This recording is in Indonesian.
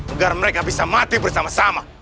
agar mereka bisa mati bersama sama